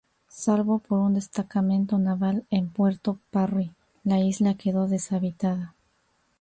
Salvo por un destacamento Naval en Puerto Parry la isla quedó deshabitada.